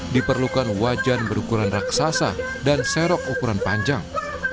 diperlukan wajan berukuran raksasa dan serok ukuran panjang